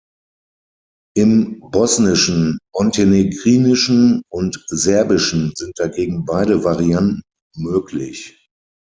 Im Bosnischen, Montenegrinischen und Serbischen sind dagegen beide Varianten möglich.